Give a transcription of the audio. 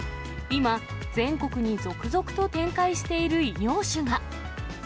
今、全国に続々と展開している異業種が。